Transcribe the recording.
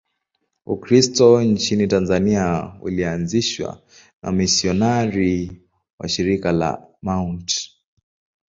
Ukristo nchini Tanzania ulianzishwa na wamisionari wa Shirika la Mt.